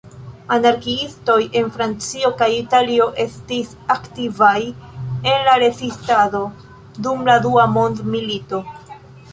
Anarkiistoj en Francio kaj Italio estis aktivaj en la Rezistado dum la Dua Mondmilito.